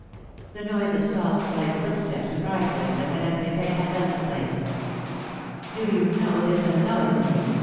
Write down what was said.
The noise of soft, light footsteps apprised them that Madame Cr^pin had left the place. Do you know this annoys me